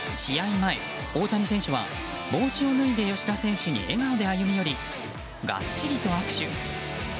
前、大谷選手は帽子を脱いで吉田選手に笑顔で歩み寄りがっちりと握手。